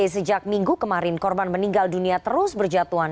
sejak minggu kemarin korban meninggal dunia terus berjatuhan